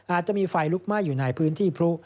อาจจะมีไฟลุกไหม้อยู่ในพื้นที่พลุ